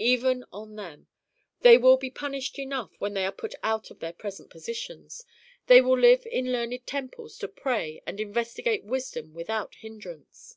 "Even on them. They will be punished enough when they are put out of their present positions; they will live in learned temples to pray and investigate wisdom without hindrance."